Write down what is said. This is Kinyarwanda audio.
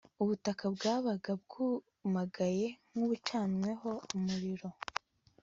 Ubutaka bwabaga bwumagaye nkubucanyweho umuriro